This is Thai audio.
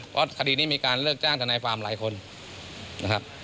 เพราะคดีนี้มีการเลิกจ้างทนายความหลายคนนะครับ